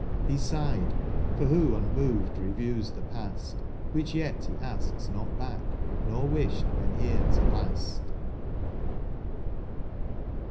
— He sighed ; for who unmoved reviews the past. Which yet he asks not back, nor wished, when here, to last.